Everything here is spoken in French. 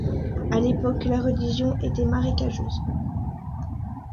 À l'époque, la région était marécageuse.